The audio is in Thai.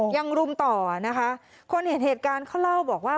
รุมต่อนะคะคนเห็นเหตุการณ์เขาเล่าบอกว่า